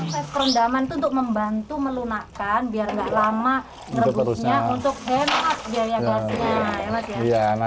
proses rendaman itu untuk membantu melunakan biar nggak lama rebusnya untuk hemat biaya gasnya